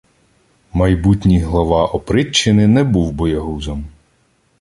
Майбутній глава опричнини не був боягузом